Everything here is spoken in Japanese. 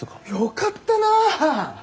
よかったな。